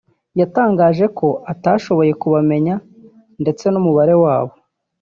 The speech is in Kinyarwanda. yatangaje ko atashoboye kubamenya ndetse n’umubare wabo